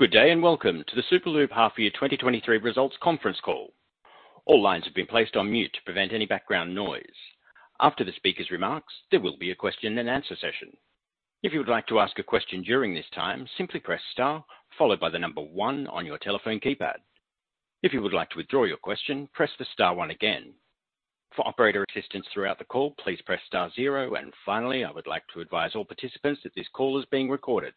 Good day, and welcome to the Superloop half year 2023 results conference call. All lines have been placed on mute to prevent any background noise. After the speaker's remarks, there will be a question and answer session. If you would like to ask a question during this time, simply press star followed by the number one on your telephone keypad. If you would like to withdraw your question, press the star one again. For operator assistance throughout the call, please press star zero. And finally, I would like to advise all participants that this call is being recorded.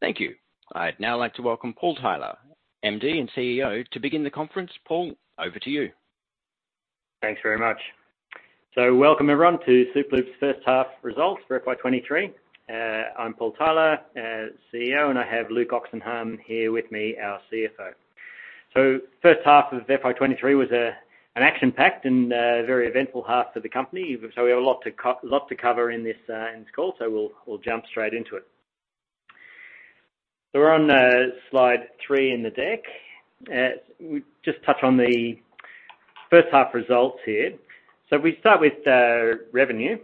Thank you. I'd now like to welcome Paul Tyler, MD and CEO to begin the conference. Paul, over to you. Thanks very much. Welcome everyone to Superloop's first half results for FY 2023. I'm Paul Tyler, CEO, and I have Luke Oxenham here with me, our CFO. First half of FY 2023 was an action-packed and very eventful half for the company. We have a lot to cover in this call, we'll jump straight into it. We're on slide three in the deck. We just touch on the first half results here. If we start with revenue,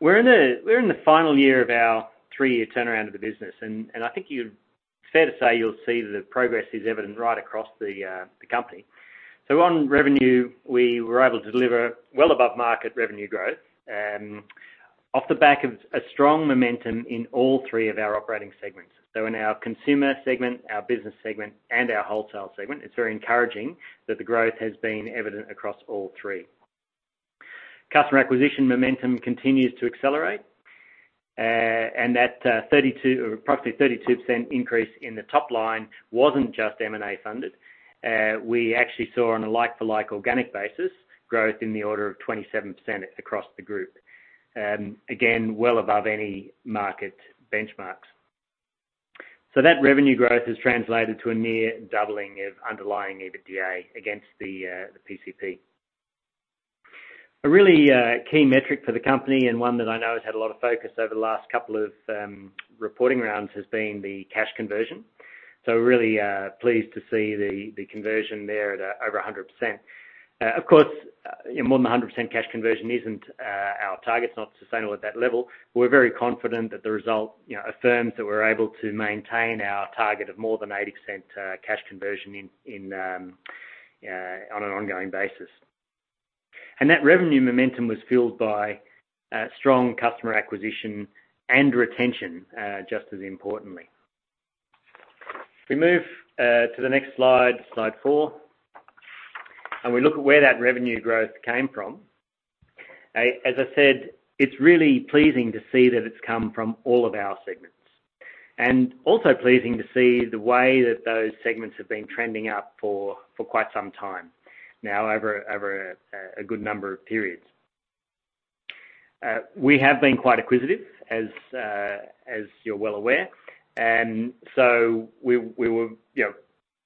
we're in the final year of our three-year turnaround of the business, I think fair to say you'll see that progress is evident right across the company. On revenue, we were able to deliver well above market revenue growth, off the back of a strong momentum in all three of our operating segments. In our consumer segment, our business segment, and our wholesale segment, it's very encouraging that the growth has been evident across all three. Customer acquisition momentum continues to accelerate, and that approximately 32% increase in the top line wasn't just M&A funded. We actually saw on a like for like organic basis, growth in the order of 27% across the group. Again, well above any market benchmarks. That revenue growth has translated to a near doubling of underlying EBITDA against the PCP. A really key metric for the company, and one that I know has had a lot of focus over the last couple of reporting rounds, has been the cash conversion. We're really pleased to see the conversion there at over 100%. Of course, more than 100% cash conversion isn't, our target's not sustainable at that level. We're very confident that the result, you know, affirms that we're able to maintain our target of more than 80% cash conversion on an ongoing basis. That revenue momentum was fueled by strong customer acquisition and retention, just as importantly. If we move to the next Slide 4, and we look at where that revenue growth came from. As I said, it's really pleasing to see that it's come from all of our segments, and also pleasing to see the way that those segments have been trending up for quite some time now over a good number of periods. We have been quite acquisitive as you're well aware, and so we were, you know,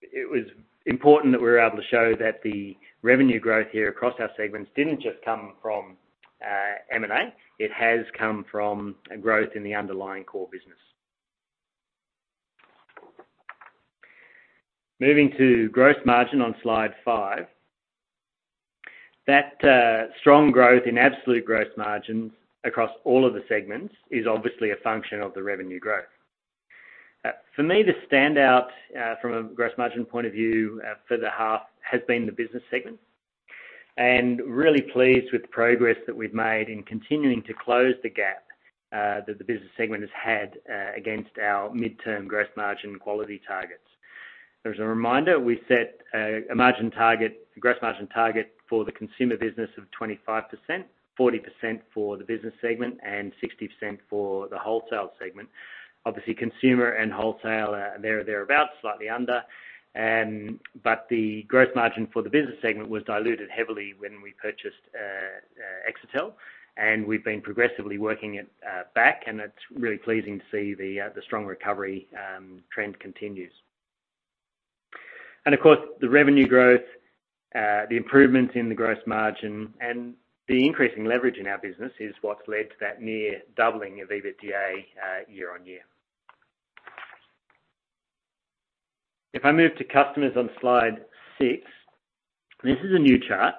it was important that we were able to show that the revenue growth here across our segments didn't just come from M&A. It has come from a growth in the underlying core business. Moving to gross margin on slide five. That strong growth in absolute gross margins across all of the segments is obviously a function of the revenue growth. For me, the standout from a gross margin point of view for the half has been the business segment. Really pleased with the progress that we've made in continuing to close the gap that the business segment has had against our midterm gross margin quality targets. There's a reminder, we set a margin target, gross margin target for the consumer business of 25%, 40% for the business segment, and 60% for the wholesale segment. Obviously, consumer and wholesale are there or thereabout, slightly under. The gross margin for the business segment was diluted heavily when we purchased Exetel, and we've been progressively working it back, and it's really pleasing to see the strong recovery trend continues. Of course, the revenue growth, the improvements in the gross margin and the increasing leverage in our business is what's led to that near doubling of EBITDA year-on-year. If I move to customers on slide 6, this is a new chart,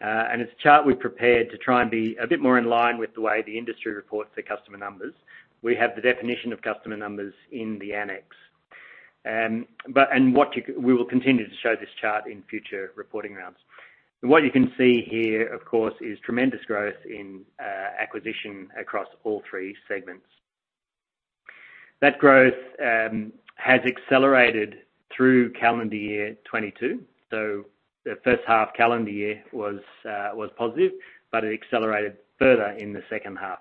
and it's a chart we've prepared to try and be a bit more in line with the way the industry reports their customer numbers. We have the definition of customer numbers in the annex. What you We will continue to show this chart in future reporting rounds. What you can see here, of course, is tremendous growth in acquisition across all three segments. That growth has accelerated through calendar year 2022. The first half calendar year was positive, but it accelerated further in the second half.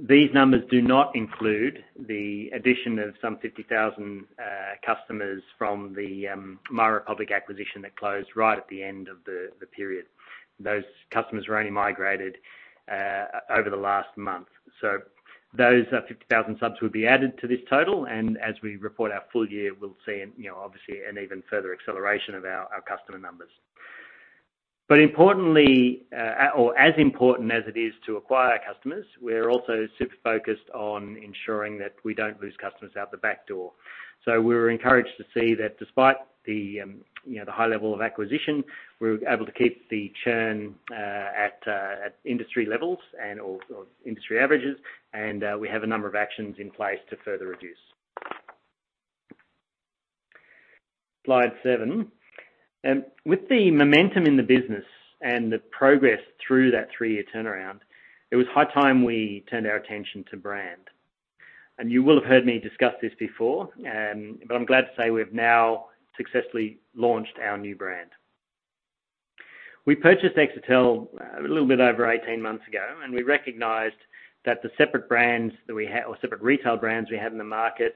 These numbers do not include the addition of some 50,000 customers from the MyRepublic acquisition that closed right at the end of the period. Those customers were only migrated over the last month. Those 50,000 subs will be added to this total. As we report our full year, we'll see, you know, obviously an even further acceleration of our customer numbers. Importantly, or as important as it is to acquire customers, we're also super focused on ensuring that we don't lose customers out the back door. We're encouraged to see that despite the, you know, the high level of acquisition, we're able to keep the churn at industry levels or industry averages, and we have a number of actions in place to further reduce. Slide 7. With the momentum in the business and the progress through that 3-year turnaround, it was high time we turned our attention to brand. You will have heard me discuss this before, but I'm glad to say we have now successfully launched our new brand. We purchased Exetel a little bit over 18 months ago, and we recognized that separate retail brands we had in the market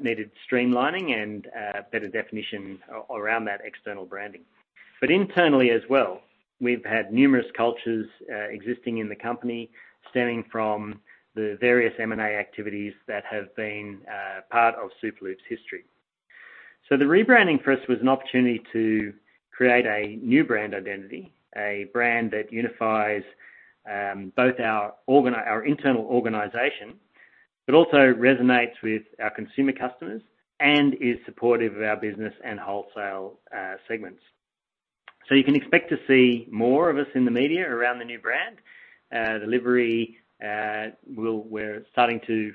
needed streamlining and better definition around that external branding. Internally as well, we've had numerous cultures existing in the company stemming from the various M&A activities that have been part of Superloop's history. The rebranding for us was an opportunity to create a new brand identity, a brand that unifies both our internal organization, but also resonates with our consumer customers and is supportive of our business and wholesale segments. You can expect to see more of us in the media around the new brand. The livery, we're starting to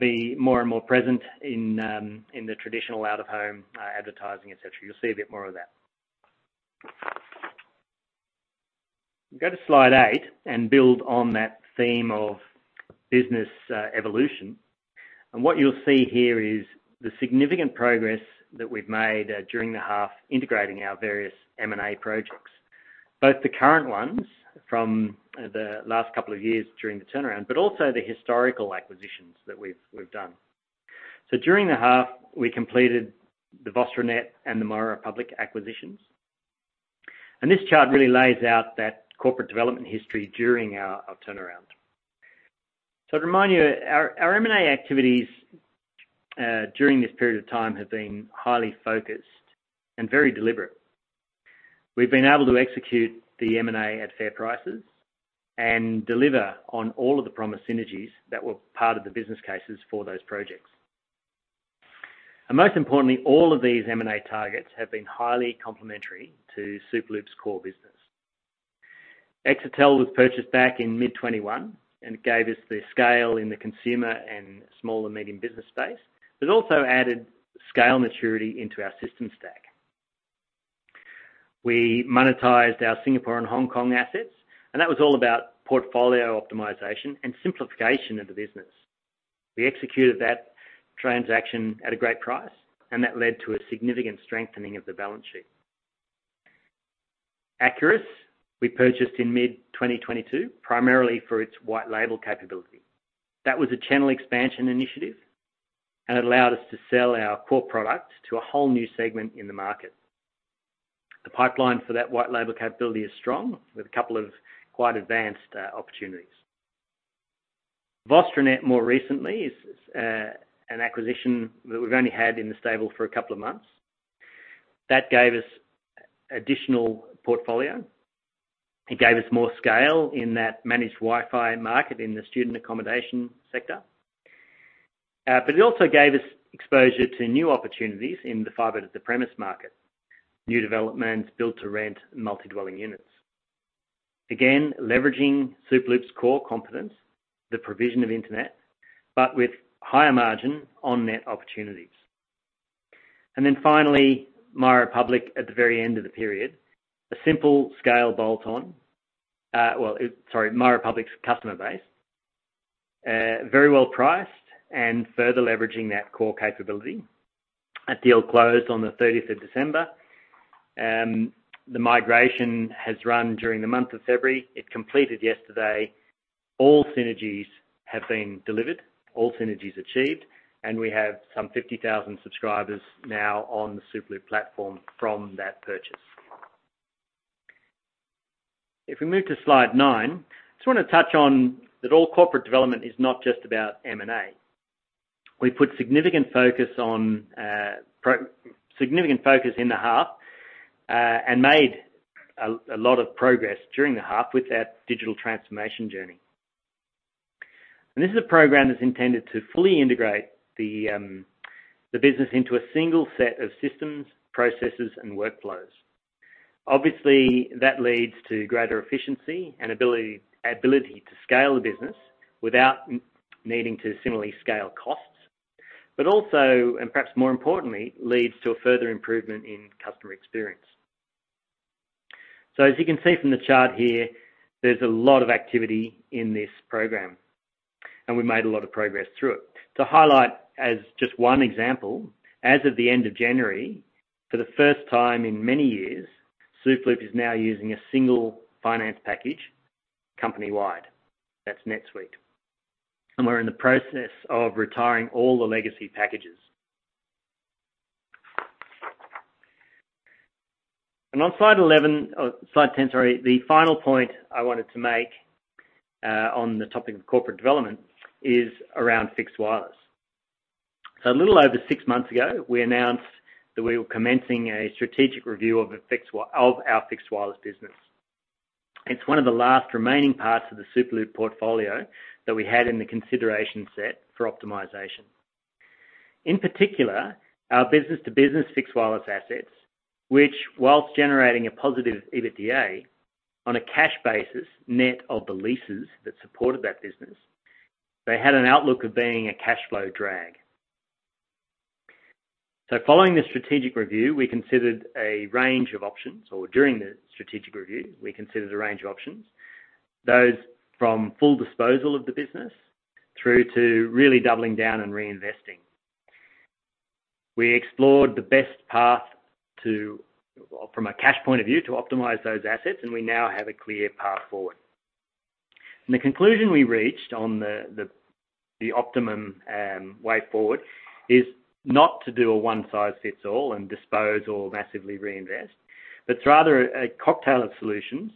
be more and more present in the traditional out-of-home advertising, et cetera. You'll see a bit more of that. Go to slide 8 and build on that theme of business evolution. What you'll see here is the significant progress that we've made during the half integrating our various M&A projects. Both the current ones from the last couple of years during the turnaround, but also the historical acquisitions that we've done. During the half, we completed the VostroNet and the MyRepublic acquisitions. This chart really lays out that corporate development history during our turnaround. To remind you, our M&A activities during this period of time have been highly focused and very deliberate. We've been able to execute the M&A at fair prices and deliver on all of the promised synergies that were part of the business cases for those projects. Most importantly, all of these M&A targets have been highly complementary to Superloop's core business. Exetel was purchased back in mid-2021. It gave us the scale in the consumer and small and medium business space. It also added scale maturity into our system stack. We monetized our Singapore and Hong Kong assets. That was all about portfolio optimization and simplification of the business. We executed that transaction at a great price. That led to a significant strengthening of the balance sheet. Acurus, we purchased in mid-2022, primarily for its white label capability. That was a channel expansion initiative. It allowed us to sell our core products to a whole new segment in the market. The pipeline for that white label capability is strong, with a couple of quite advanced opportunities. VostroNet, more recently, is an acquisition that we've only had in the stable for a couple of months. That gave us additional portfolio. It gave us more scale in that managed Wi-Fi market in the student accommodation sector. It also gave us exposure to new opportunities in the fiber to premise market, new developments built to rent multi-dwelling units. Again, leveraging Superloop's core competence, the provision of internet, but with higher margin on net opportunities. Finally, MyRepublic at the very end of the period. A simple scale bolt-on. Well, MyRepublic's customer base. Very well priced and further leveraging that core capability. That deal closed on the 30th of December. The migration has run during the month of February. It completed yesterday. All synergies have been delivered, all synergies achieved. We have some 50,000 subscribers now on the Superloop platform from that purchase. If we move to slide 9, just wanna touch on that all corporate development is not just about M&A. We put significant focus in the half and made a lot of progress during the half with our digital transformation journey. This is a program that's intended to fully integrate the business into a single set of systems, processes, and workflows. Obviously, that leads to greater efficiency and ability to scale the business without needing to similarly scale costs, but also, and perhaps more importantly, leads to a further improvement in customer experience. As you can see from the chart here, there's a lot of activity in this program, and we made a lot of progress through it. To highlight as just one example, as of the end of January, for the first time in many years, Superloop is now using a single finance package company-wide. That's NetSuite. We're in the process of retiring all the legacy packages. On slide 11, slide 10, sorry. The final point I wanted to make on the topic of corporate development is around fixed wireless. A little over 6 months ago, we announced that we were commencing a strategic review of our fixed wireless business. It's one of the last remaining parts of the Superloop portfolio that we had in the consideration set for optimization. In particular, our business-to-business fixed wireless assets, which whilst generating a positive EBITDA on a cash basis net of the leases that supported that business. They had an outlook of being a cash flow drag. Following the strategic review, we considered a range of options, or during the strategic review, we considered a range of options, those from full disposal of the business through to really doubling down and reinvesting. We explored the best path to. Well, from a cash point of view, to optimize those assets, and we now have a clear path forward. The conclusion we reached on the optimum way forward is not to do a one-size-fits-all and dispose or massively reinvest, but it's rather a cocktail of solutions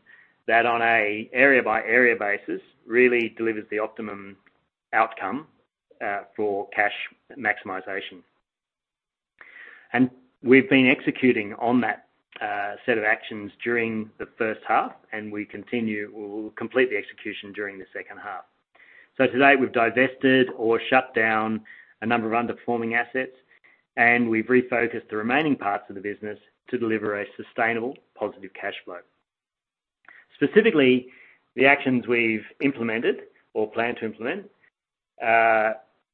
that on a area-by-area basis, really delivers the optimum outcome for cash maximization We've been executing on that set of actions during the first half. We'll complete the execution during the second half. To date, we've divested or shut down a number of underperforming assets, and we've refocused the remaining parts of the business to deliver a sustainable positive cash flow. Specifically, the actions we've implemented or planned to implement,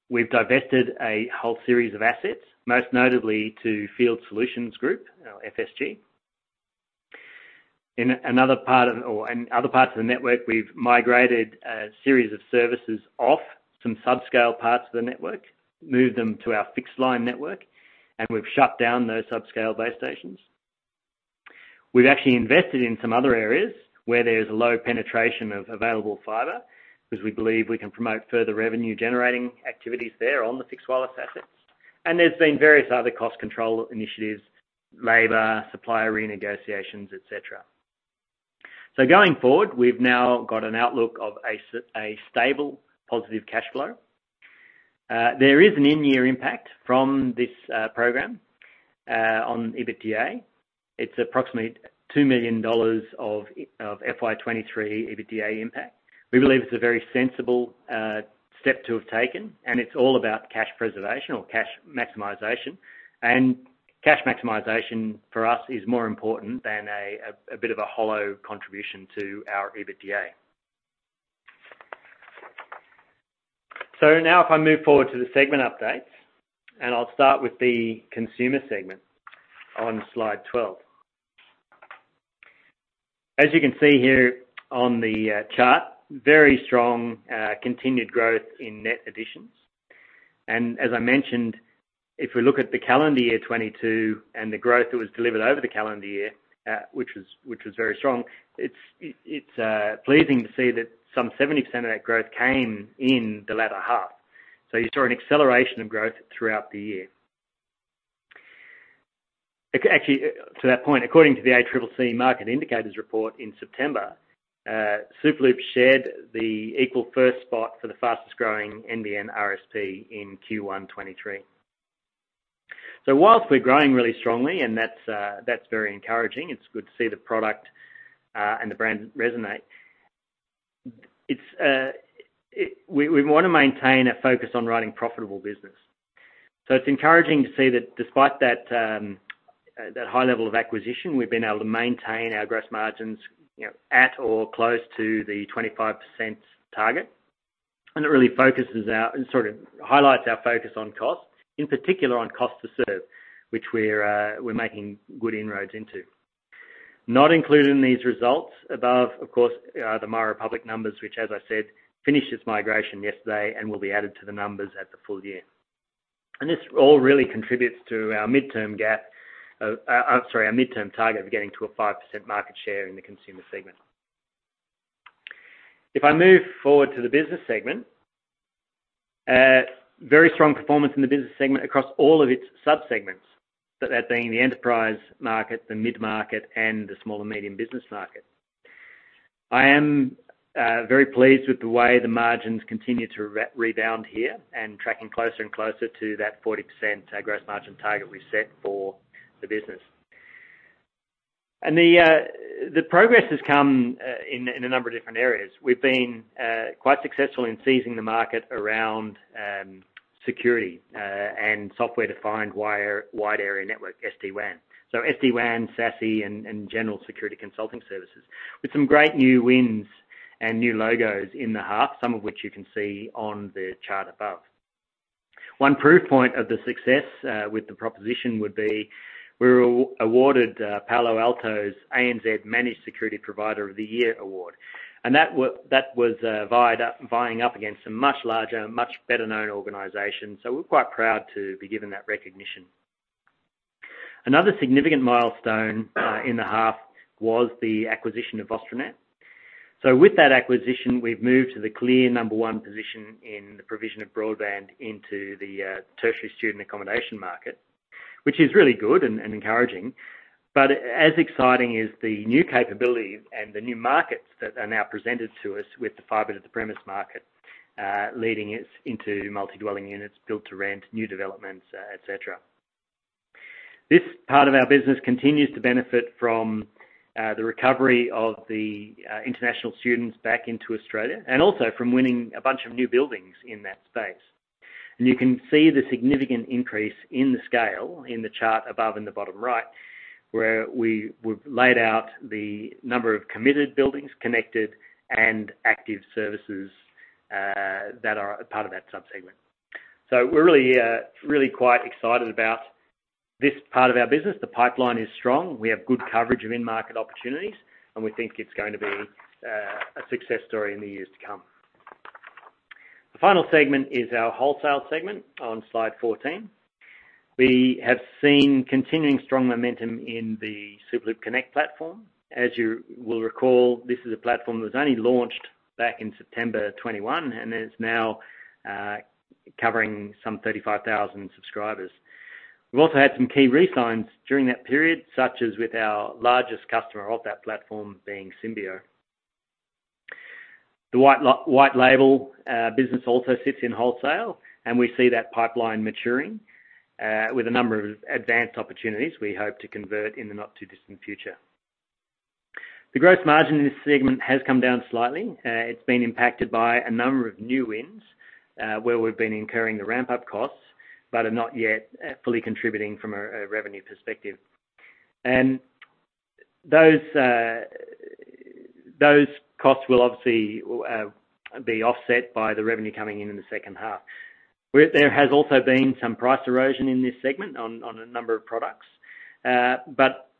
we've divested a whole series of assets, most notably to Field Solutions Group, you know, FSG. In another part or in other parts of the network, we've migrated a series of services off some subscale parts of the network, moved them to our fixed line network, and we've shut down those subscale base stations. We've actually invested in some other areas where there's low penetration of available fiber because we believe we can promote further revenue-generating activities there on the fixed wireless assets. There's been various other cost control initiatives, labor, supplier renegotiations, et cetera. Going forward, we've now got an outlook of a stable positive cash flow. There is an in-year impact from this program on EBITDA. It's approximately 2 million dollars of FY 2023 EBITDA impact. We believe it's a very sensible step to have taken, and it's all about cash preservation or cash maximization. Cash maximization for us is more important than a bit of a hollow contribution to our EBITDA. Now if I move forward to the segment updates, and I'll start with the consumer segment on slide 12. As you can see here on the chart, very strong continued growth in net additions. As I mentioned, if we look at the calendar year 2022 and the growth that was delivered over the calendar year, which was very strong, it's pleasing to see that some 70% of that growth came in the latter half. You saw an acceleration of growth throughout the year. Actually, to that point, according to the ACCC Market Indicators Report in September, Superloop shared the equal first spot for the fastest-growing NBN RSP in Q1 2023. Whilst we're growing really strongly, and that's very encouraging, it's good to see the product and the brand resonate. We wanna maintain a focus on running profitable business. It's encouraging to see that despite that high level of acquisition, we've been able to maintain our gross margins, you know, at or close to the 25% target. It really highlights our focus on cost, in particular on cost to serve, which we're making good inroads into. Not including these results above, of course, are the MyRepublic numbers, which as I said, finished its migration yesterday and will be added to the numbers at the full year. This all really contributes to our midterm target of getting to a 5% market share in the consumer segment. If I move forward to the business segment, very strong performance in the business segment across all of its sub-segments. That being the enterprise market, the mid-market, and the small and medium business market. I am very pleased with the way the margins continue to rebound here and tracking closer and closer to that 40% gross margin target we set for the business. The progress has come in a number of different areas. We've been quite successful in seizing the market around security and software-defined wide area network, SD-WAN. SD-WAN, SASE and general security consulting services with some great new wins and new logos in the half, some of which you can see on the chart above. One proof point of the success with the proposition would be we were awarded Palo Alto's ANZ Managed Security Provider of the Year award. That was vying up against some much larger, much better-known organizations. We're quite proud to be given that recognition. Another significant milestone in the half was the acquisition of Austranet. With that acquisition, we've moved to the clear number one position in the provision of broadband into the tertiary student accommodation market, which is really good and encouraging. As exciting is the new capabilities and the new markets that are now presented to us with the fiber to the premises market, leading us into multi-dwelling units, build-to-rent, new developments, et cetera. This part of our business continues to benefit from the recovery of the international students back into Australia, and also from winning a bunch of new buildings in that space. You can see the significant increase in the scale in the chart above in the bottom right, where we've laid out the number of committed buildings connected and active services that are a part of that sub-segment. We're really quite excited about this part of our business. The pipeline is strong. We have good coverage of end market opportunities, and we think it's going to be a success story in the years to come. The final segment is our wholesale segment on Slide 14. We have seen continuing strong momentum in the Superloop Connect platform. As you will recall, this is a platform that was only launched back in September 2021, and it's now covering some 35,000 subscribers. We've also had some key re-signs during that period, such as with our largest customer of that platform being Symbio. The white label business also sits in wholesale, and we see that pipeline maturing with a number of advanced opportunities we hope to convert in the not-too-distant future. The gross margin in this segment has come down slightly. It's been impacted by a number of new wins, where we've been incurring the ramp-up costs, but are not yet fully contributing from a revenue perspective. Those costs will obviously be offset by the revenue coming in in the second half. There has also been some price erosion in this segment on a number of products.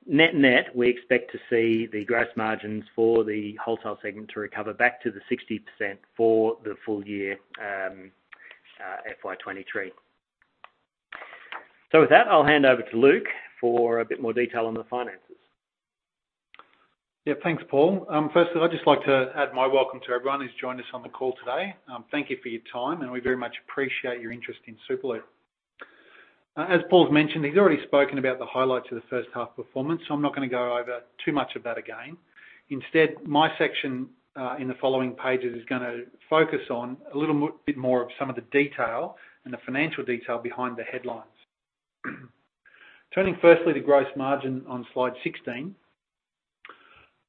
Net-net, we expect to see the gross margins for the wholesale segment to recover back to the 60% for the full year, FY 2023. With that, I'll hand over to Luke for a bit more detail on the finances. Thanks, Paul. Firstly, I'd just like to add my welcome to everyone who's joined us on the call today. Thank you for your time, we very much appreciate your interest in Superloop. As Paul's mentioned, he's already spoken about the highlights of the first half performance, I'm not gonna go over too much of that again. Instead, my section in the following pages is gonna focus on a little bit more of some of the detail and the financial detail behind the headlines. Turning firstly to gross margin on Slide 16.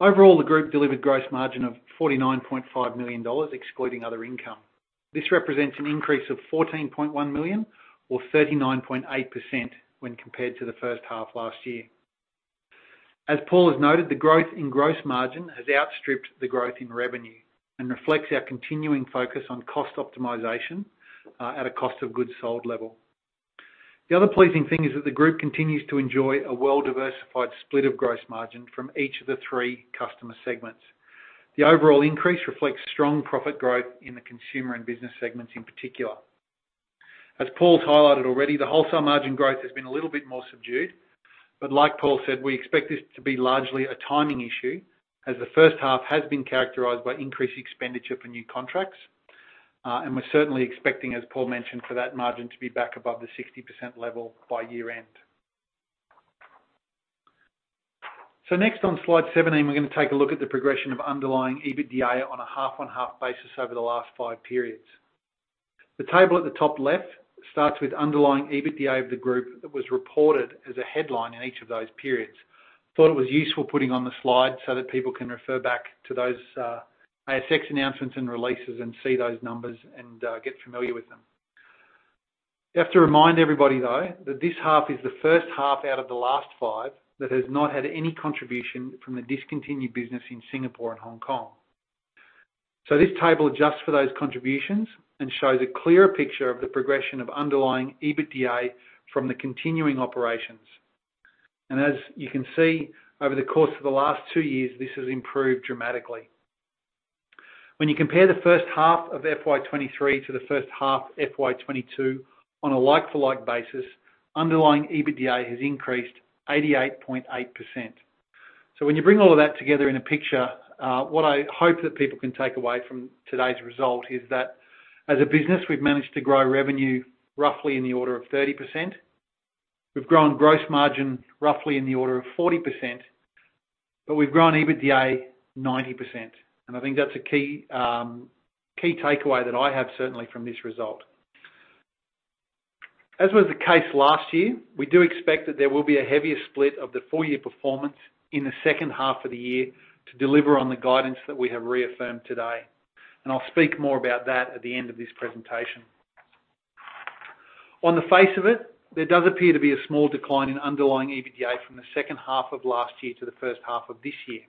Overall, the group delivered gross margin of 49.5 million dollars excluding other income. This represents an increase of 14.1 million or 39.8% when compared to the first half last year. As Paul has noted, the growth in gross margin has outstripped the growth in revenue and reflects our continuing focus on cost optimization at a cost of goods sold level. The other pleasing thing is that the group continues to enjoy a well-diversified split of gross margin from each of the three customer segments. The overall increase reflects strong profit growth in the consumer and business segments in particular. As Paul's highlighted already, the wholesale margin growth has been a little bit more subdued, but like Paul said, we expect this to be largely a timing issue as the first half has been characterized by increased expenditure for new contracts. We're certainly expecting, as Paul mentioned, for that margin to be back above the 60% level by year-end. Next on Slide 17, we're gonna take a look at the progression of underlying EBITDA on a half-on-half basis over the last 5 periods. The table at the top left starts with underlying EBITDA of the group that was reported as a headline in each of those periods. Thought it was useful putting on the slide so that people can refer back to those ASX announcements and releases and see those numbers and get familiar with them. You have to remind everybody, though, that this half is the first half out of the last 5 that has not had any contribution from the discontinued business in Singapore and Hong Kong. This table adjusts for those contributions and shows a clearer picture of the progression of underlying EBITDA from the continuing operations. As you can see, over the course of the last 2 years, this has improved dramatically. When you compare the first half of FY 2023 to the first half FY 2022 on a like-for-like basis, underlying EBITDA has increased 88.8%. When you bring all of that together in a picture, what I hope that people can take away from today's result is that as a business, we've managed to grow revenue roughly in the order of 30%. We've grown gross margin roughly in the order of 40%, but we've grown EBITDA 90%. I think that's a key takeaway that I have certainly from this result. As was the case last year, we do expect that there will be a heavier split of the full year performance in the second half of the year to deliver on the guidance that we have reaffirmed today. I'll speak more about that at the end of this presentation. On the face of it, there does appear to be a small decline in underlying EBITDA from the second half of last year to the first half of this year.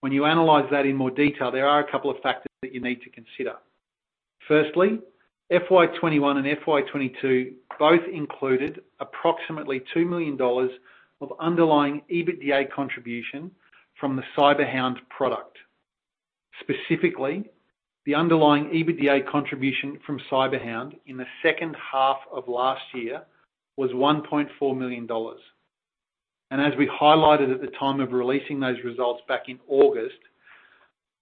When you analyze that in more detail, there are a couple of factors that you need to consider. Firstly, FY 2021 and FY 2022 both included approximately 2 million dollars of underlying EBITDA contribution from the CyberHound product. Specifically, the underlying EBITDA contribution from CyberHound in the second half of last year was 1.4 million dollars. As we highlighted at the time of releasing those results back in August,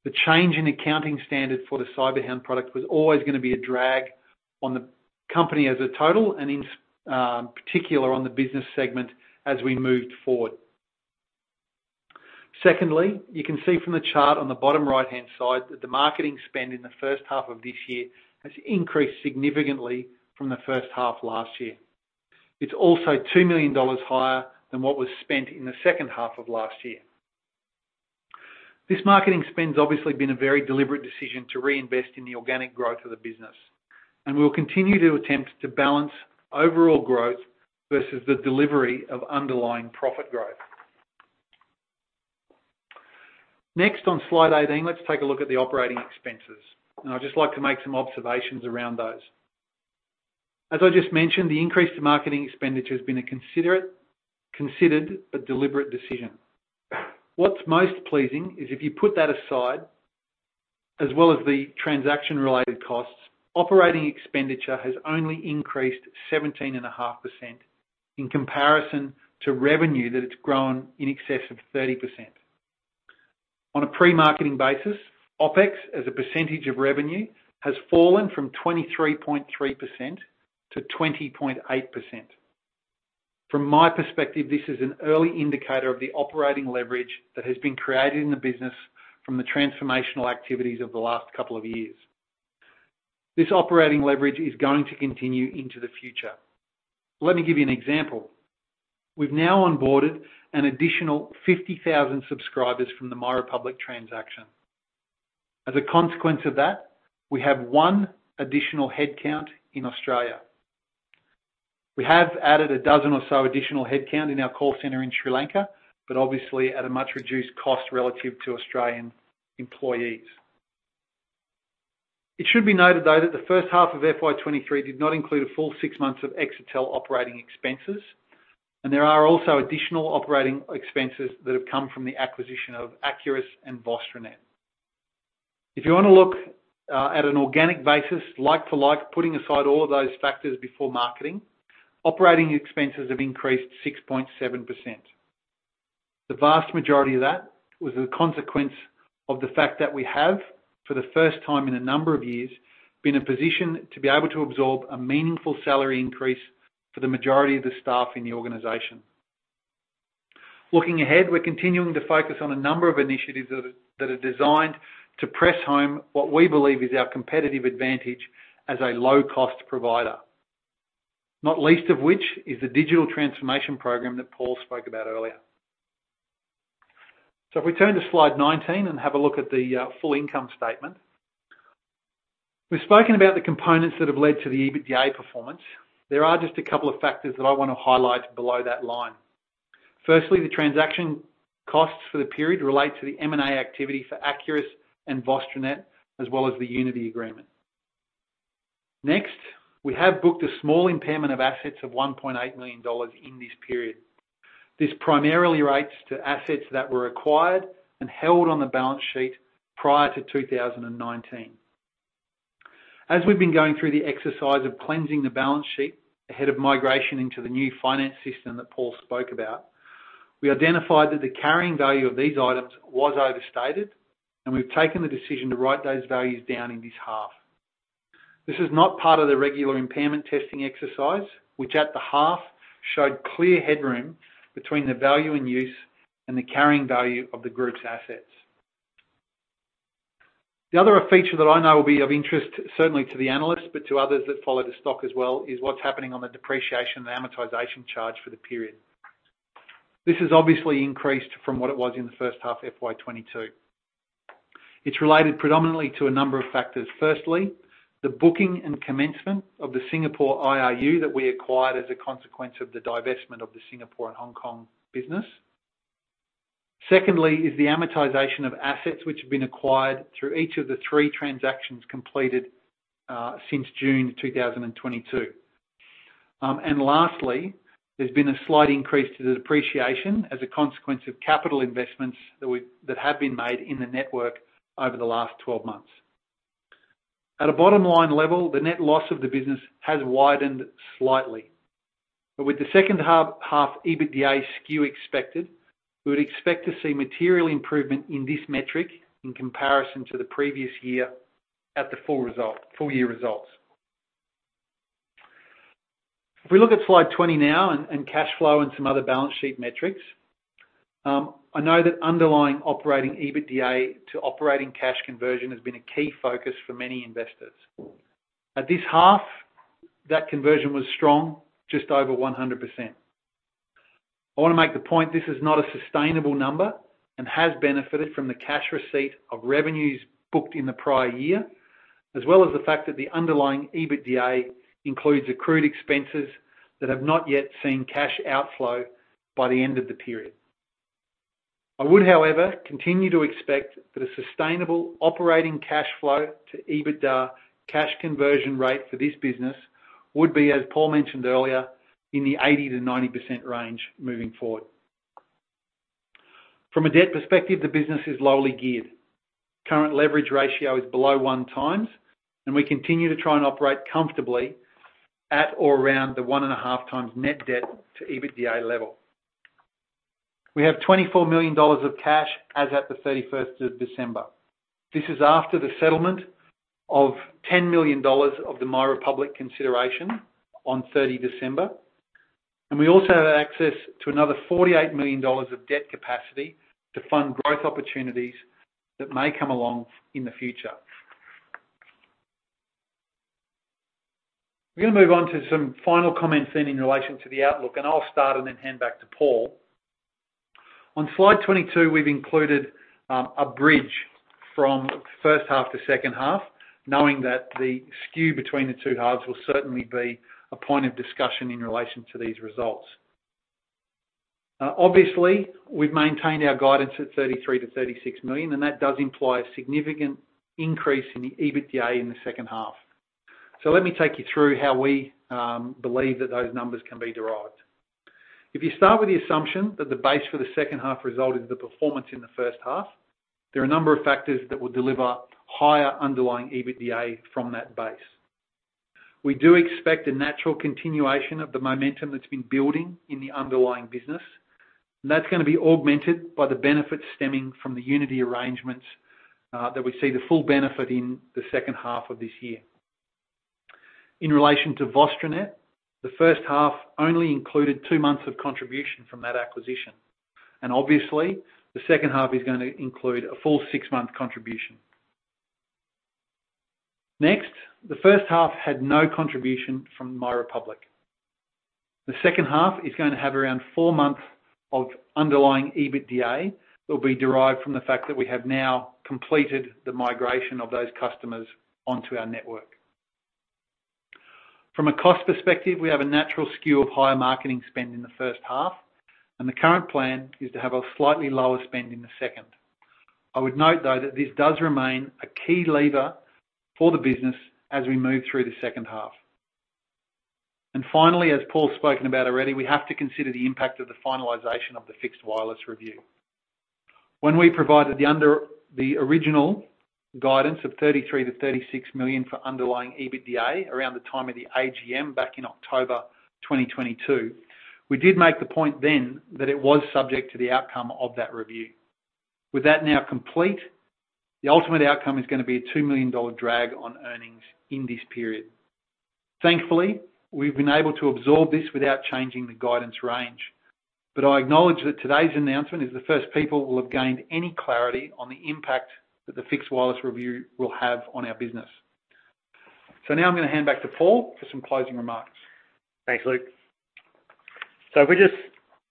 the change in accounting standard for the CyberHound product was always gonna be a drag on the company as a total and in particular on the business segment as we moved forward. Secondly, you can see from the chart on the bottom right-hand side that the marketing spend in the first half of this year has increased significantly from the first half last year. It's also 2 million dollars higher than what was spent in the second half of last year. This marketing spend's obviously been a very deliberate decision to reinvest in the organic growth of the business, and we'll continue to attempt to balance overall growth versus the delivery of underlying profit growth. Next, on slide 18, let's take a look at the operating expenses. I'd just like to make some observations around those. As I just mentioned, the increase to marketing expenditure has been considered a deliberate decision. What's most pleasing is if you put that aside, as well as the transaction-related costs, operating expenditure has only increased 17.5% in comparison to revenue that has grown in excess of 30%. On a pre-marketing basis, OpEx as a percentage of revenue has fallen from 23.3% to 20.8%. From my perspective, this is an early indicator of the operating leverage that has been created in the business from the transformational activities of the last couple of years. This operating leverage is going to continue into the future. Let me give you an example. We've now onboarded an additional 50,000 subscribers from the MyRepublic transaction. As a consequence of that, we have one additional headcount in Australia. We have added a dozen or so additional headcount in our call center in Sri Lanka, but obviously at a much reduced cost relative to Australian employees. It should be noted, though, that the first half of FY 2023 did not include a full six months of Exetel operating expenses, and there are also additional operating expenses that have come from the acquisition of Acurus and VostroNet. If you wanna look at an organic basis, like-to-like, putting aside all of those factors before marketing, operating expenses have increased 6.7%. The vast majority of that was a consequence of the fact that we have, for the first time in a number of years, been in a position to be able to absorb a meaningful salary increase for the majority of the staff in the organization. Looking ahead, we're continuing to focus on a number of initiatives that are designed to press home what we believe is our competitive advantage as a low-cost provider. Not least of which is the digital transformation program that Paul spoke about earlier. If we turn to slide 19 and have a look at the full income statement. We've spoken about the components that have led to the EBITDA performance. There are just a couple of factors that I wanna highlight below that line. Firstly, the transaction costs for the period relate to the M&A activity for Acurus and VostroNet, as well as the Uniti Agreement. Next, we have booked a small impairment of assets of 1.8 million dollars in this period. This primarily relates to assets that were acquired and held on the balance sheet prior to 2019. As we've been going through the exercise of cleansing the balance sheet ahead of migration into the new finance system that Paul spoke about, we identified that the carrying value of these items was overstated, and we've taken the decision to write those values down in this half. This is not part of the regular impairment testing exercise, which at the half showed clear headroom between the value in use and the carrying value of the group's assets. The other feature that I know will be of interest, certainly to the analysts, but to others that follow the stock as well, is what's happening on the Depreciation and Amortization charge for the period. This has obviously increased from what it was in the first half of FY 2022. It's related predominantly to a number of factors. Firstly, the booking and commencement of the Singapore IRU that we acquired as a consequence of the divestment of the Singapore and Hong Kong business. Secondly is the amortization of assets which have been acquired through each of the three transactions completed, since June 2022. Lastly, there's been a slight increase to the depreciation as a consequence of capital investments that have been made in the network over the last 12 months. At a bottom-line level, the net loss of the business has widened slightly. With the second half EBITDA skew expected, we would expect to see material improvement in this metric in comparison to the previous year at the full-year results. If we look at slide 20 now and cash flow and some other balance sheet metrics, I know that underlying operating EBITDA to operating cash conversion has been a key focus for many investors. At this half, that conversion was strong, just over 100%. I wanna make the point this is not a sustainable number and has benefited from the cash receipt of revenues booked in the prior year, as well as the fact that the underlying EBITDA includes accrued expenses that have not yet seen cash outflow by the end of the period. I would, however, continue to expect that a sustainable operating cash flow to EBITDA cash conversion rate for this business would be, as Paul mentioned earlier, in the 80%-90% range moving forward. From a debt perspective, the business is lowly geared. Current leverage ratio is below 1x, and we continue to try and operate comfortably at or around the 1.5x net debt to EBITDA level. We have 24 million dollars of cash as at December 31. This is after the settlement of 10 million dollars of the MyRepublic consideration on December 30. We also have access to another 48 million dollars of debt capacity to fund growth opportunities that may come along in the future. We're going to move on to some final comments then in relation to the outlook, and I'll start and then hand back to Paul. On slide 22, we've included a bridge from first half to second half, knowing that the skew between the two halves will certainly be a point of discussion in relation to these results. Obviously, we've maintained our guidance at 33 million-36 million, that does imply a significant increase in the EBITDA in the second half. Let me take you through how we believe that those numbers can be derived. If you start with the assumption that the base for the second half result is the performance in the first half, there are a number of factors that will deliver higher underlying EBITDA from that base. That's gonna be augmented by the benefits stemming from the Uniti arrangements that we see the full benefit in the second half of this year. In relation to VostroNet, the first half only included two months of contribution from that acquisition, obviously the second half is gonna include a full six-month contribution. Next, the first half had no contribution from MyRepublic. The second half is gonna have around four months of underlying EBITDA that will be derived from the fact that we have now completed the migration of those customers onto our network. From a cost perspective, we have a natural skew of higher marketing spend in the first half, and the current plan is to have a slightly lower spend in the second. I would note, though, that this does remain a key lever for the business as we move through the second half. Finally, as Paul's spoken about already, we have to consider the impact of the finalization of the fixed wireless review. When we provided the original guidance of 33 million-36 million for underlying EBITDA around the time of the AGM back in October 2022, we did make the point then that it was subject to the outcome of that review. With that now complete, the ultimate outcome is gonna be an 2 million dollar drag on earnings in this period. Thankfully, we've been able to absorb this without changing the guidance range. I acknowledge that today's announcement is the first people will have gained any clarity on the impact that the fixed wireless review will have on our business. Now I'm gonna hand back to Paul for some closing remarks. Thanks, Luke. If we just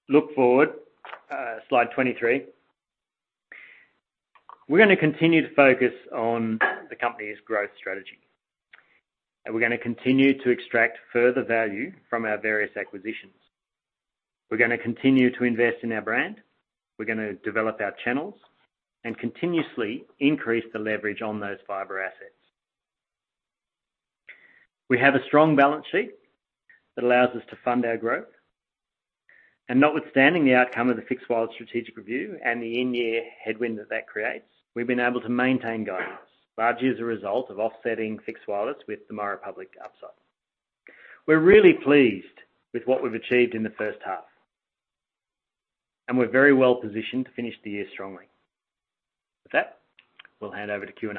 look forward, slide 23. We're gonna continue to focus on the company's growth strategy, and we're gonna continue to extract further value from our various acquisitions. We're gonna continue to invest in our brand, we're gonna develop our channels and continuously increase the leverage on those fiber assets. We have a strong balance sheet that allows us to fund our growth. Notwithstanding the outcome of the fixed wireless strategic review and the in-year headwind that that creates, we've been able to maintain guidance, largely as a result of offsetting fixed wireless with the MyRepublic upside. We're really pleased with what we've achieved in the first half, and we're very well positioned to finish the year strongly. With that, we'll hand over to Q&A.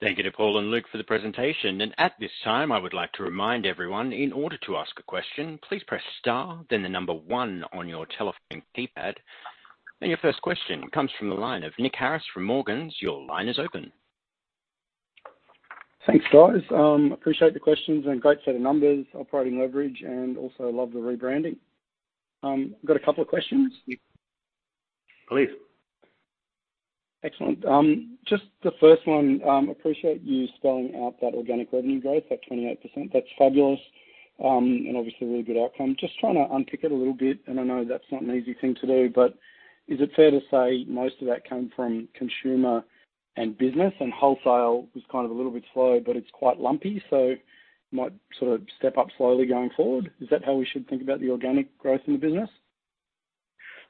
Thank you to Paul and Luke for the presentation. At this time, I would like to remind everyone, in order to ask a question, please press star, then 1 on your telephone keypad. Your first question comes from the line of Nick Harris from Morgans. Your line is open. Thanks, guys. Appreciate the questions and great set of numbers, operating leverage, and also love the rebranding. Got a couple of questions. Please. Excellent. Just the first one, appreciate you spelling out that organic revenue growth, that 28%. That's fabulous, and obviously a really good outcome. Just trying to unpick it a little bit, and I know that's not an easy thing to do, but is it fair to say most of that came from consumer and business, and wholesale was kind of a little bit slow, but it's quite lumpy, so might sort of step up slowly going forward? Is that how we should think about the organic growth in the business?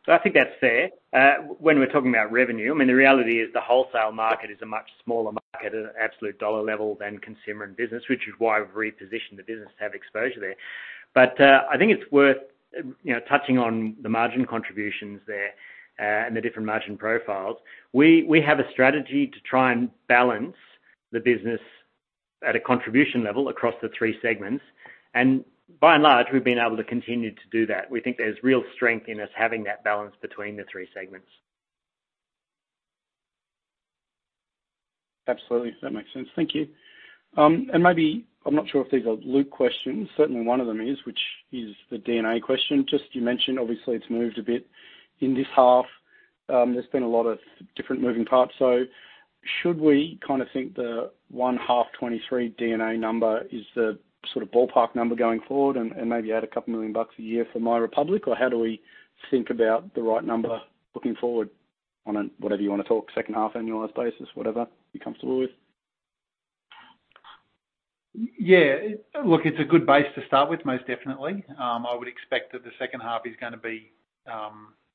I think that's fair. When we're talking about revenue, I mean, the reality is the wholesale market is a much smaller market at an absolute dollar level than consumer and business, which is why we've repositioned the business to have exposure there. I think it's worth, you know, touching on the margin contributions there, and the different margin profiles. We have a strategy to try and balance the business at a contribution level across the three segments. By and large, we've been able to continue to do that. We think there's real strength in us having that balance between the three segments. Absolutely. That makes sense. Thank you. I'm not sure if these are Luke questions. Certainly one of them is, which is the D&A question. Just you mentioned, obviously, it's moved a bit in this half. There's been a lot of different moving parts. Should we think the 1H 2023 D&A number is the sort of ballpark number going forward and maybe add a couple million AUD a year for MyRepublic? How do we think about the right number looking forward on a, whatever you wanna talk, second half annualized basis, whatever you're comfortable with? Yeah. Look, it's a good base to start with, most definitely. I would expect that the second half is gonna be,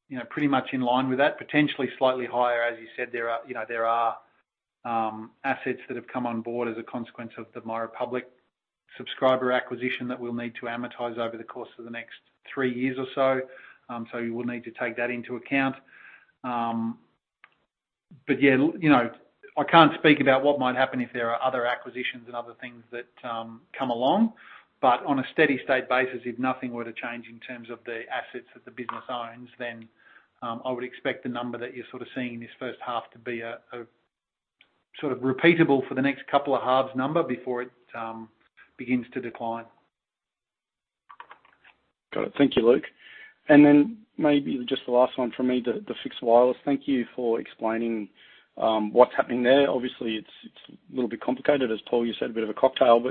you know, pretty much in line with that, potentially slightly higher. As you said, there are, you know, there are assets that have come on board as a consequence of the MyRepublic subscriber acquisition that we'll need to amortize over the course of the next 3 years or so. You will need to take that into account. Yeah, you know, I can't speak about what might happen if there are other acquisitions and other things that come along. On a steady-state basis, if nothing were to change in terms of the assets that the business owns, then, I would expect the number that you're sort of seeing in this first half to be a sort of repeatable for the next couple of halves number before it begins to decline. Got it. Thank you, Luke. Maybe just the last one from me, the fixed wireless. Thank you for explaining what's happening there. Obviously, it's a little bit complicated, as Paul you said, a bit of a cocktail.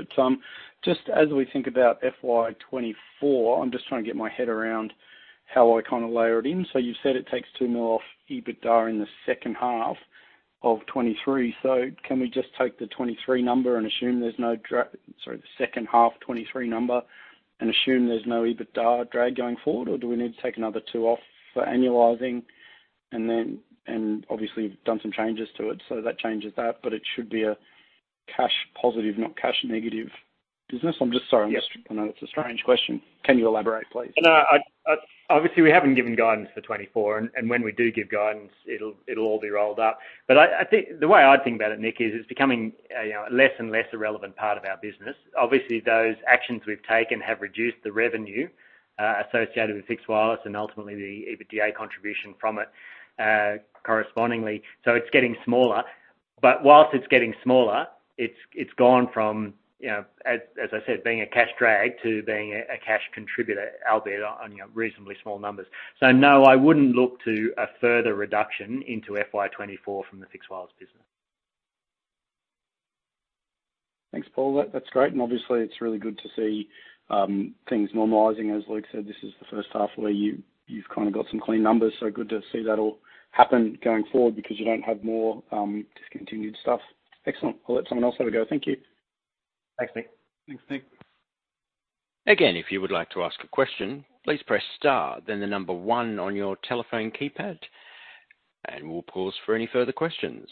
Just as we think about FY 2024, I'm just trying to get my head around how I kind of layer it in. You said it takes 2 million off EBITDA in the second half of 2023. Can we just take the 2023 number and assume there's no EBITDA drag going forward? Do we need to take another 2 million off for annualizing? Obviously you've done some changes to it, so that changes that. It should be a cash positive, not cash negative business. Yeah. I know it's a strange question. Can you elaborate, please? No. Obviously, we haven't given guidance for 2024, and when we do give guidance, it'll all be rolled up. The way I'd think about it, Nick, is it's becoming a, you know, a less and less irrelevant part of our business. Obviously, those actions we've taken have reduced the revenue associated with fixed wireless and ultimately the EBITDA contribution from it correspondingly. It's getting smaller. Whilst it's getting smaller, it's gone from, you know, as I said, being a cash drag to being a cash contributor, albeit on, you know, reasonably small numbers. No, I wouldn't look to a further reduction into FY 2024 from the fixed wireless business. Thanks, Paul. That's great. Obviously it's really good to see things normalizing. As Luke said, this is the first half where you've kind of got some clean numbers. Good to see that all happen going forward because you don't have more discontinued stuff. Excellent. I'll let someone else have a go. Thank you. Thanks, Nick. Thanks, Nick. If you would like to ask a question, please press star then one on your telephone keypad, and we'll pause for any further questions.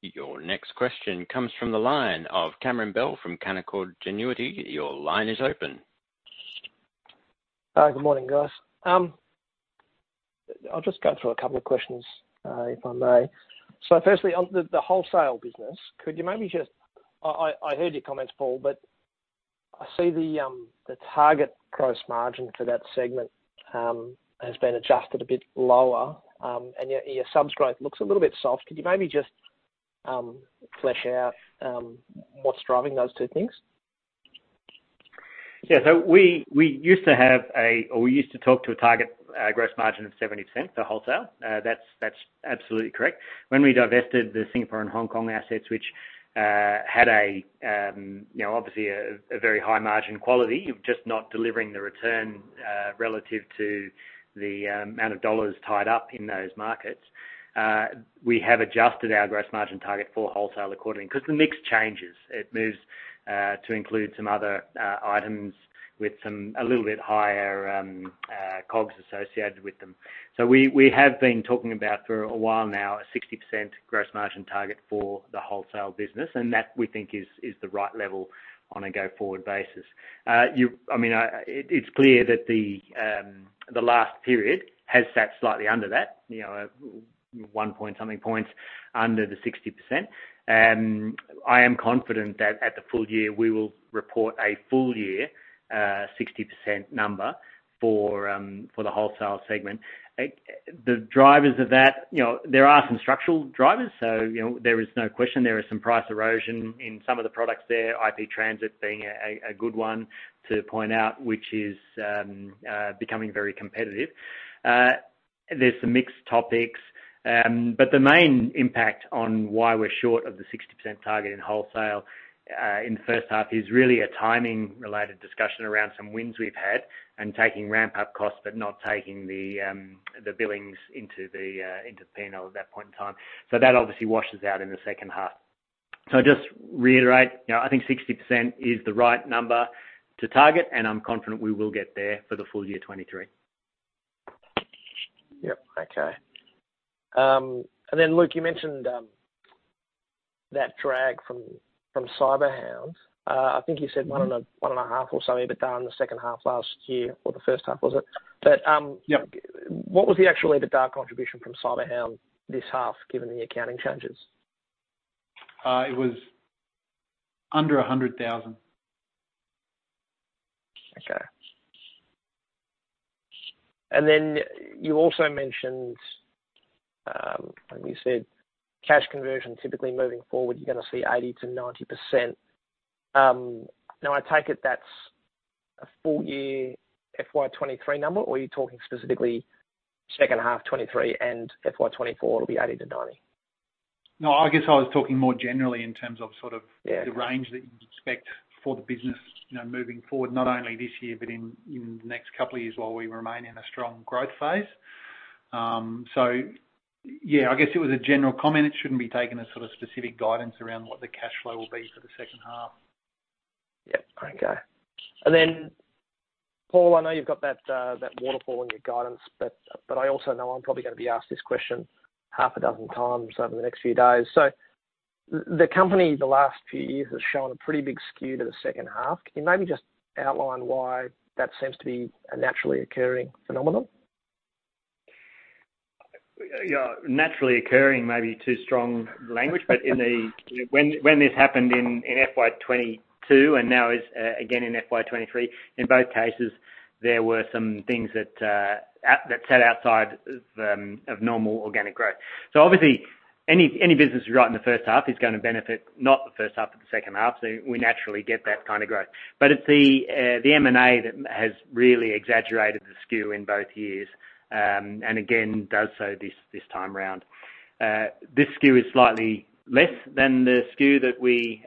Your next question comes from the line of Cameron Bell from Canaccord Genuity. Your line is open. Good morning, guys. I'll just go through a couple of questions, if I may? Firstly, on the wholesale business. I heard your comments, Paul, but I see the target gross margin for that segment has been adjusted a bit lower. Yet your subs growth looks a little bit soft. Could you maybe just flesh out what's driving those two things? Yeah. We used to talk to a target gross margin of 70% for wholesale. That's absolutely correct. When we divested the Singapore and Hong Kong assets, which had a, you know, obviously a very high margin quality of just not delivering the return relative to the amount of AUD tied up in those markets, we have adjusted our gross margin target for wholesale accordingly 'cause the mix changes. It moves to include some other items with some a little bit higher cogs associated with them. We have been talking about for a while now a 60% gross margin target for the wholesale business, and that we think is the right level on a go-forward basis. I mean, I... It's clear that the last period has sat slightly under that, you know, 1 point something points under the 60%. I am confident that at the full year we will report a full year 60% number for the wholesale segment. The drivers of that, you know, there are some structural drivers. You know, there is no question there is some price erosion in some of the products there, IP transit being a good one to point out, which is becoming very competitive. There's some mixed topics. The main impact on why we're short of the 60% target in wholesale, in the 1st half is really a timing related discussion around some wins we've had and taking ramp-up costs but not taking the billings into the P&L at that point in time. That obviously washes out in the 2nd half. I just reiterate, you know, I think 60% is the right number to target, and I'm confident we will get there for the full year 23. Yep. Okay. Luke, you mentioned that drag from CyberHound. I think you said one and a half or so EBITDA in the second half last year, or the first half, was it? Yep. What was the actual EBITDA contribution from CyberHound this half given the accounting changes? It was under 100,000. Okay. You also mentioned, and you said cash conversion typically moving forward, you're going to see 80%-90%. Now I take it that's a full year FY 2023 number, or are you talking specifically second half 23 and FY 2024 it will be 80%-90%? No, I guess I was talking more generally in terms of. Yeah. the range that you'd expect for the business, you know, moving forward, not only this year, but in, you know, the next couple of years while we remain in a strong growth phase. yeah, I guess it was a general comment. It shouldn't be taken as sort of specific guidance around what the cash flow will be for the second half. Yep. Okay. Paul, I know you've got that waterfall in your guidance, but I also know I'm probably gonna be asked this question half a dozen times over the next few days. The company the last few years has shown a pretty big skew to the second half. Can you maybe just outline why that seems to be a naturally occurring phenomenon? Yeah. Naturally occurring may be too strong language. When this happened in FY 2022 and now is again in FY 2023, in both cases, there were some things that sat outside of normal organic growth. Obviously, any business you write in the first half is gonna benefit, not the first half of the second half. We naturally get that kind of growth. It's the M&A that has really exaggerated the SKU in both years. Again, does so this time around. This SKU is slightly less than the SKU that we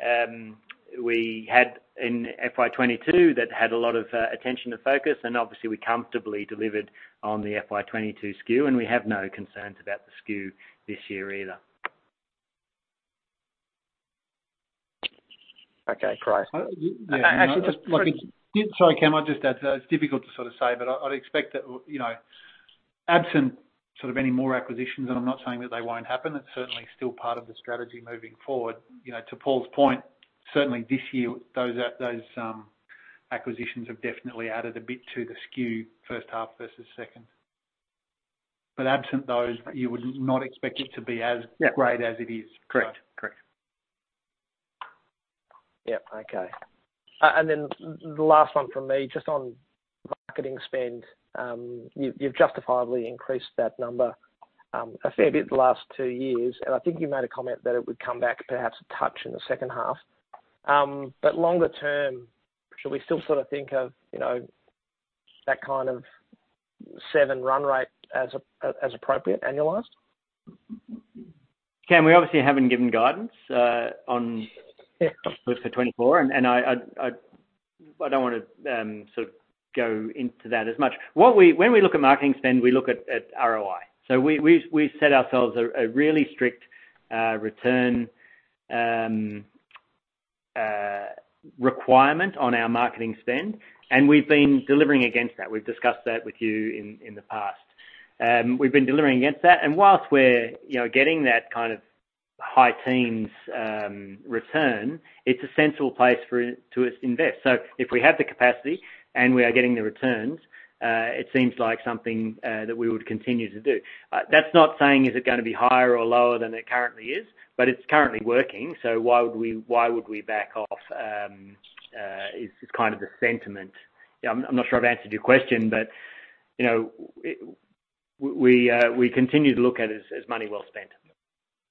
had in FY 2022 that had a lot of attention to focus, and obviously we comfortably delivered on the FY 2022 SKU, and we have no concerns about the SKU this year either. Okay, great. You know, actually. Sorry. Sorry, Cam, I'll just add to that. It's difficult to sort of say, but I'd expect that you know, absent sort of any more acquisitions, I'm not saying that they won't happen, it's certainly still part of the strategy moving forward. You know, to Paul's point, certainly this year, those acquisitions have definitely added a bit to the SKU first half versus second. Absent those, you would not expect it to be as- Yeah. great as it is. Correct. Correct. Yeah. Okay. The last one from me, just on marketing spend. You've justifiably increased that number, a fair bit the last 2 years, and I think you made a comment that it would come back perhaps a touch in the second half. Longer term, should we still sort of think of, you know, that kind of 7 run rate as appropriate, annualized? Cam, we obviously haven't given guidance. Yeah. for 24, I don't wanna sort of go into that as much. When we look at marketing spend, we look at ROI. We've set ourselves a really strict return requirement on our marketing spend, and we've been delivering against that. We've discussed that with you in the past. We've been delivering against that, whilst we're, you know, getting that kind of high teens return, it's a central place to invest. If we have the capacity and we are getting the returns, it seems like something that we would continue to do. That's not saying is it gonna be higher or lower than it currently is, but it's currently working, so why would we back off, is kind of the sentiment. Yeah, I'm not sure I've answered your question, but, you know, we continue to look at it as money well spent.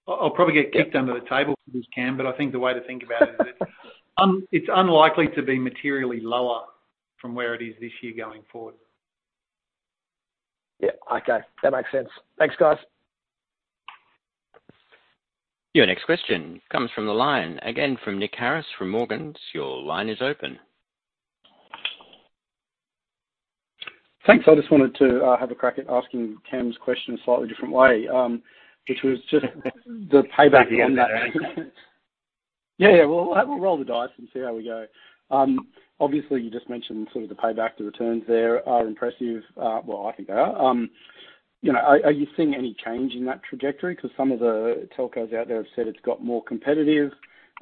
I'll probably get kicked under the table for this, Cam, but I think the way to think about it is, It's unlikely to be materially lower from where it is this year going forward. Yeah. Okay. That makes sense. Thanks, guys. Your next question comes from the line again from Nick Harris from Morgans. Your line is open. Thanks. I just wanted to have a crack at asking Cam's question a slightly different way, which was the payback on that. Happy to hear that. Yeah, yeah. We'll roll the dice and see how we go. Obviously, you just mentioned sort of the payback. The returns there are impressive. Well, I think they are. You know, are you seeing any change in that trajectory? 'Cause some of the telcos out there have said it's got more competitive.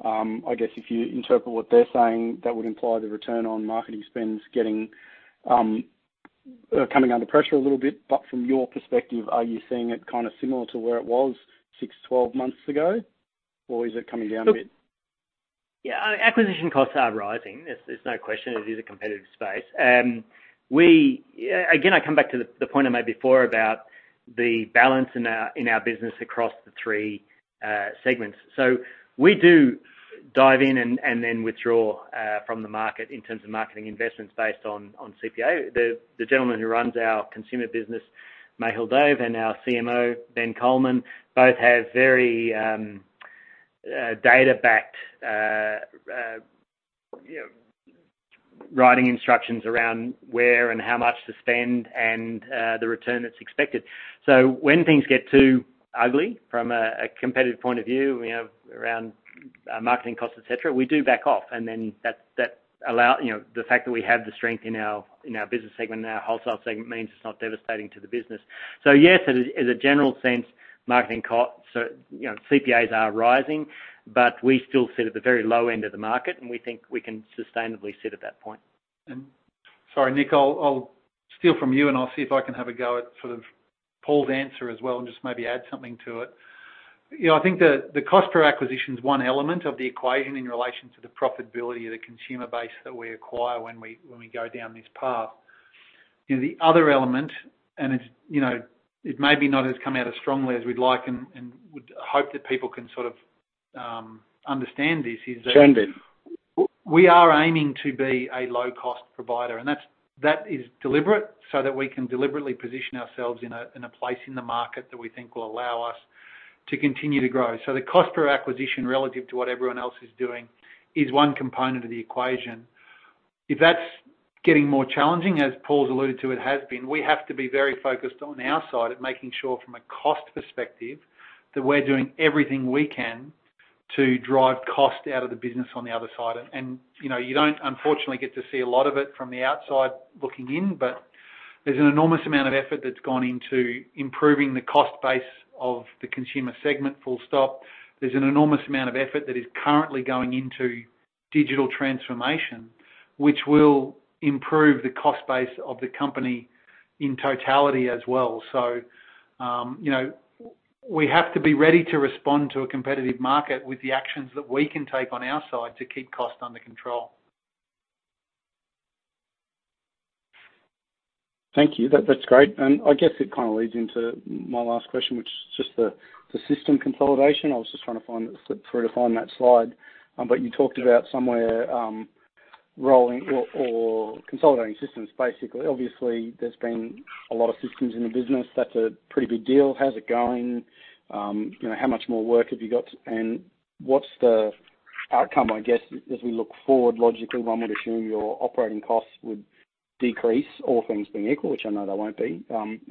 I guess if you interpret what they're saying, that would imply the return on marketing spend is getting coming under pressure a little bit. From your perspective, are you seeing it kinda similar to where it was 6-12 months ago, or is it coming down a bit? Yeah. Acquisition costs are rising. There's no question it is a competitive space. Again, I come back to the point I made before about the balance in our business across the three segments. We do dive in and then withdraw from the market in terms of marketing investments based on CPA. The gentleman who runs our consumer business, Mehul Dave, and our CMO, Ben Colman, both have very data-backed, you know, writing instructions around where and how much to spend and the return that's expected. When things get too ugly from a competitive point of view, you know, around marketing costs, et cetera, we do back off and then that allow, you know, the fact that we have the strength in our business segment and our wholesale segment means it's not devastating to the business. Yes, as a general sense, you know, CPAs are rising, but we still sit at the very low end of the market, and we think we can sustainably sit at that point. Sorry, Nick, I'll steal from you, and I'll see if I can have a go at sort of Paul's answer as well and just maybe add something to it. You know, I think the cost per acquisition is one element of the equation in relation to the profitability of the consumer base that we acquire when we go down this path. The other element, and it's, you know, it may be not as come out as strongly as we'd like and would hope that people can sort of understand this is. Send it. We are aiming to be a low-cost provider, and that's, that is deliberate so that we can deliberately position ourselves in a, in a place in the market that we think will allow us to continue to grow. The cost per acquisition relative to what everyone else is doing is one component of the equation. If that's getting more challenging, as Paul's alluded to it has been, we have to be very focused on our side at making sure from a cost perspective, that we're doing everything we can to drive cost out of the business on the other side. You know, you don't unfortunately get to see a lot of it from the outside looking in, but there's an enormous amount of effort that's gone into improving the cost base of the consumer segment full stop. There's an enormous amount of effort that is currently going into digital transformation, which will improve the cost base of the company in totality as well. you know, we have to be ready to respond to a competitive market with the actions that we can take on our side to keep costs under control. Thank you. That's great. I guess it kinda leads into my last question, which is just the system consolidation. I was just trying to find the slip through to find that slide. You talked about somewhere rolling or consolidating systems, basically. Obviously, there's been a lot of systems in the business. That's a pretty big deal. How's it going? You know, how much more work have you got? What's the outcome, I guess, as we look forward, logically one would assume your operating costs would decrease, all things being equal, which I know they won't be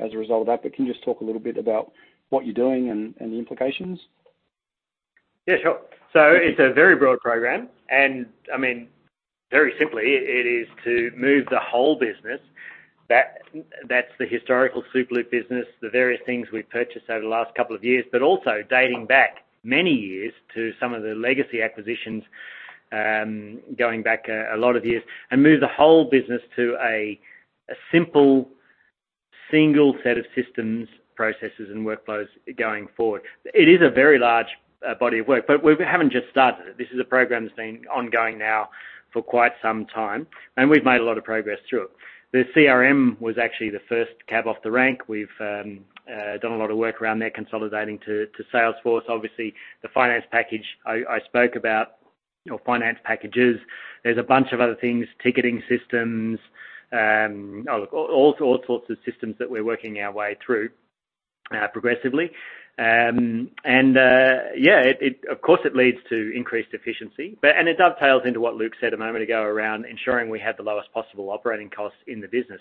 as a result of that. Can you just talk a little bit about what you're doing and the implications? Yeah, sure. It's a very broad program, and I mean, very simply, it is to move the whole business. That's the historical Superloop business, the various things we've purchased over the last couple of years, but also dating back many years to some of the legacy acquisitions, going back a lot of years, and move the whole business to a simple single set of systems, processes and workflows going forward. It is a very large body of work, but we haven't just started it. This is a program that's been ongoing now for quite some time, and we've made a lot of progress through it. The CRM was actually the first cab off the rank. We've done a lot of work around there consolidating to Salesforce. Obviously, the finance package I spoke about or finance packages. There's a bunch of other things, ticketing systems, all sorts of systems that we're working our way through progressively. Yeah, of course, it leads to increased efficiency. It dovetails into what Luke said a moment ago around ensuring we have the lowest possible operating costs in the business.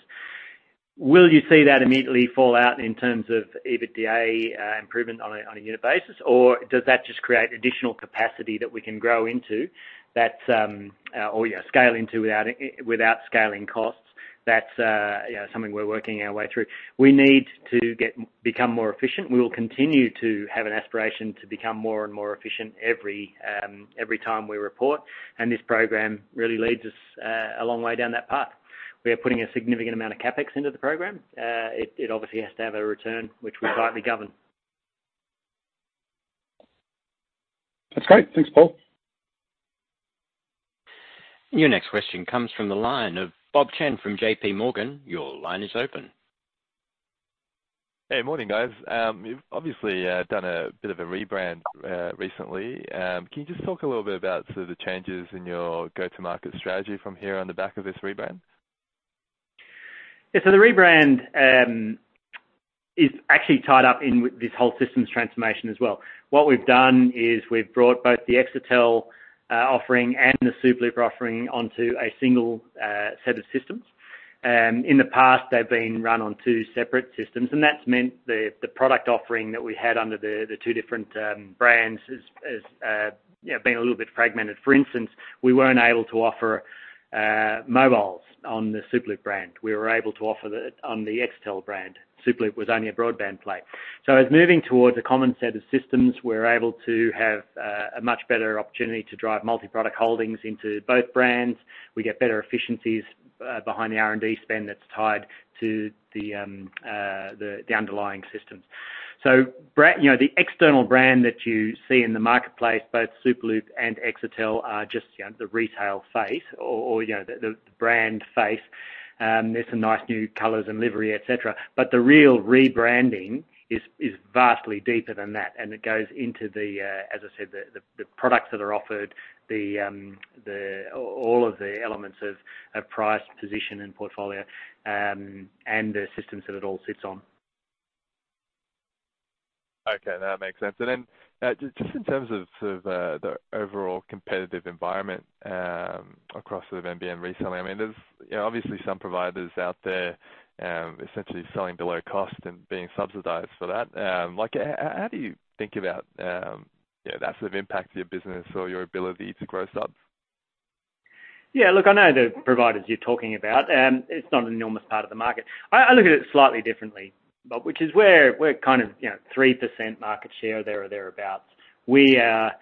Will you see that immediately fall out in terms of EBITDA improvement on a unit basis, or does that just create additional capacity that we can grow into that, or, you know, scale into without without scaling costs? That's, you know, something we're working our way through. We need to become more efficient. We will continue to have an aspiration to become more and more efficient every time we report. This program really leads us a long way down that path. We are putting a significant amount of CapEx into the program. It obviously has to have a return which we tightly govern. That's great. Thanks, Paul. Your next question comes from the line of Bob Chen from J.P. Morgan. Your line is open. Hey, morning, guys. You've obviously done a bit of a rebrand recently. Can you just talk a little bit about sort of the changes in your go-to-market strategy from here on the back of this rebrand? The rebrand is actually tied up in this whole systems transformation as well. What we've done is we've brought both the Exetel offering and the Superloop offering onto a single set of systems. In the past, they've been run on two separate systems, that's meant the product offering that we had under the two different brands is, you know, being a little bit fragmented. For instance, we weren't able to offer mobiles on the Superloop brand. We were able to offer on the Exetel brand. Superloop was only a broadband play. As moving towards a common set of systems, we're able to have a much better opportunity to drive multi-product holdings into both brands. We get better efficiencies behind the R&D spend that's tied to the underlying systems. You know, the external brand that you see in the marketplace, both Superloop and Exetel are just, you know, the retail face or, you know, the brand face. There's some nice new colors and livery, et cetera. The real rebranding is vastly deeper than that, and it goes into the, as I said, the, the products that are offered, the, all of the elements of price, position and portfolio, and the systems that it all sits on. Okay. That makes sense. Just in terms of, sort of, the overall competitive environment, across sort of NBN reselling, I mean, there's, you know, obviously some providers out there, essentially selling below cost and being subsidized for that. Like, how do you think about, you know, that sort of impact to your business or your ability to grow subs? Yeah. Look, I know the providers you're talking about. It's not an enormous part of the market. I look at it slightly differently, Bob, which is we're kind of, you know, 3% market share there or thereabout. We are,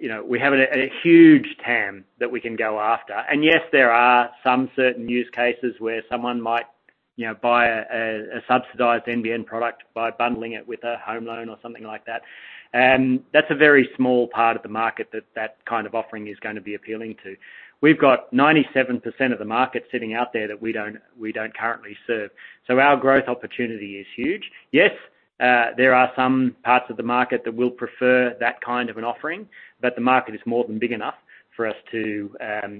you know, we have a huge TAM that we can go after. Yes, there are some certain use cases where someone might, you know, buy a subsidized NBN product by bundling it with a home loan or something like that. That's a very small part of the market that kind of offering is gonna be appealing to. We've got 97% of the market sitting out there that we don't currently serve. Our growth opportunity is huge. Yes, there are some parts of the market that will prefer that kind of an offering. The market is more than big enough for us to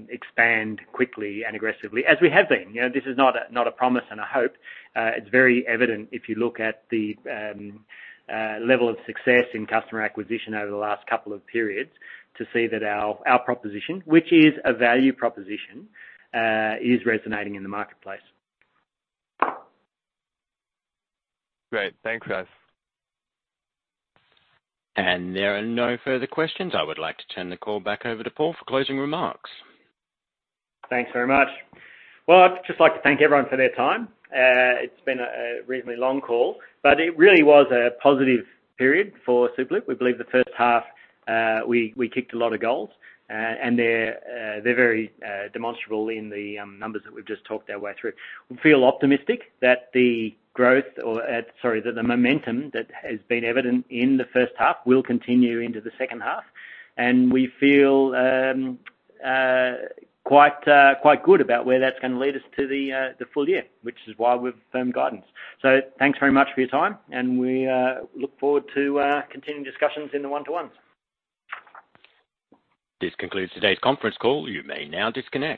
expand quickly and aggressively as we have been. You know, this is not a promise and a hope. It's very evident if you look at the level of success in customer acquisition over the last couple of periods to see that our proposition, which is a value proposition, is resonating in the marketplace. Great. Thanks, guys. There are no further questions. I would like to turn the call back over to Paul for closing remarks. Thanks very much. I'd just like to thank everyone for their time. It's been a reasonably long call, but it really was a positive period for Superloop. We believe the first half, we kicked a lot of goals, and they're very demonstrable in the numbers that we've just talked our way through. We feel optimistic that the growth, sorry, that the momentum that has been evident in the first half will continue into the second half. We feel quite good about where that's gonna lead us to the full year, which is why we've confirmed guidance. Thanks very much for your time, and we look forward to continuing discussions in the one-to-ones. This concludes today's conference call. You may now disconnect.